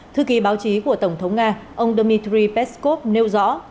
thư ký báo chí của tổng thống nga ông dmitry peskov nêu rõ